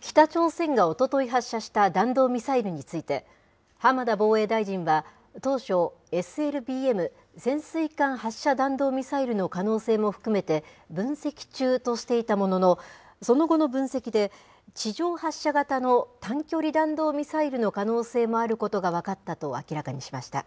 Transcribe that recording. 北朝鮮がおととい発射した弾道ミサイルについて、浜田防衛大臣は、当初、ＳＬＢＭ・潜水艦発射弾道ミサイルの可能性も含めて、分析中としていたものの、その後の分析で、地上発射型の短距離弾道ミサイルの可能性もあることが分かったと明らかにしました。